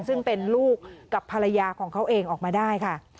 ซึ่งเป็นลูกกับภรรยาของเขาเองออกมาได้ค่ะ